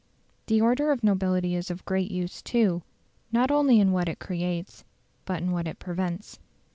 The order of nobility is of great use, too, not only in what it creates, but in what it prevents.